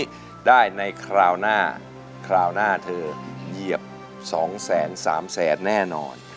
เธอคนนี้ได้ในคราวหน้าคราวหน้าเธอเหยียบ๒แสน๓แสนแน่นอน